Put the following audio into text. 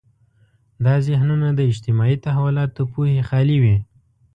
دا ذهنونه د اجتماعي تحولاتو پوهې خالي وي.